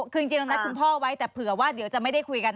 คือจริงเรานัดคุณพ่อไว้แต่เผื่อว่าเดี๋ยวจะไม่ได้คุยกัน